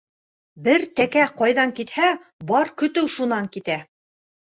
Бер тәкә ҡайҙан китһә, бар көтөү шунан китә.